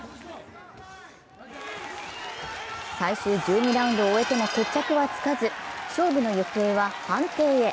最終１２ラウンドを終えても決着はつかず、勝負の行方は判定へ。